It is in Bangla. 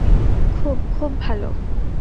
খুব, খুব ভালো।